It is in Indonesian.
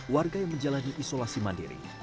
warga yang menjalani isolasi mandiri